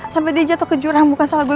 sampai dia jatuh ke jurang bukan salah gue